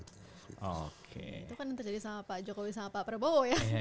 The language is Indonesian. itu kan nanti jadi sama pak jokowi sama pak prabowo ya